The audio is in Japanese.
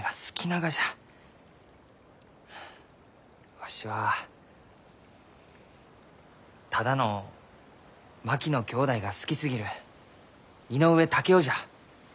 わしはただの槙野きょうだいが好きすぎる井上竹雄じゃ。